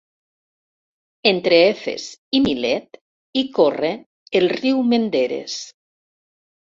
Entre Efes i Milet hi corre el Riu Menderes.